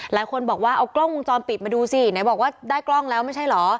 หลายคนบอกว่าเอากล้องวงจรปิดมาดูสิไหนบอกว่าได้กล้องแล้วไม่ใช่เหรอ